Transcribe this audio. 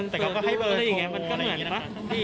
แต่เขาก็ให้เบอร์โทรงมันก็เหมือนปะ